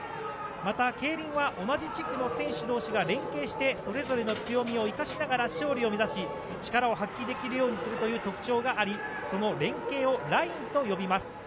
また競輪は、同じ地区の選手どうしが連携して、それぞれの強みを生かしながら、勝利を目指し、力を発揮できるようにするという特徴があり、その連係をラインと呼びます。